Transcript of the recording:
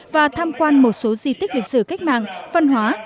và tham quan một số di tích lịch sử cách mạng văn hóa